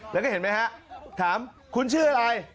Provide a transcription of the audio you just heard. แล้วก็เห็นไหมฮะถามคุณชื่ออะไร